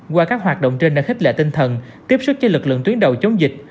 qua các hoạt động trên đã khích lệ tinh thần tiếp sức cho lực lượng tuyến đầu chống dịch